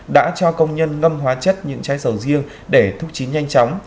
đã cho công nhân ngâm hóa chất những chai sầu riêng để thúc chín nhanh chóng